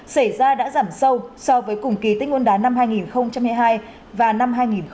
xảy ra đã giảm sâu so với cùng kỳ tích nguồn đá năm hai nghìn một mươi hai và năm hai nghìn một mươi chín